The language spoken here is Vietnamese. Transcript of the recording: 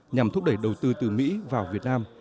nhằm thúc đẩy đầu tư từ mỹ vào việt nam